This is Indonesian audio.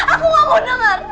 aku gak mau denger